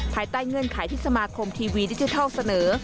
ภายใต้เงื่อนไขที่สมาคมทีวีดิจิทัลเสนอ